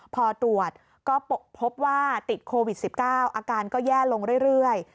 พอตรวจก็พบว่าติดโควิด๑๙อาการก็แย่ลงเรื่อย